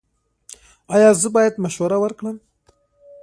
ایا زه باید مشوره ورکړم؟